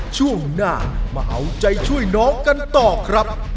ช่วงหน้ามาเอาใจช่วยน้องกันต่อครับ